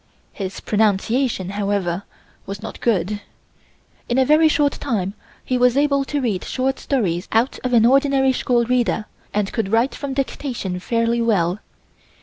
His pronunciation, however, was not good. In a very short time he was able to read short stories out of an ordinary school reader and could write from dictation fairly well.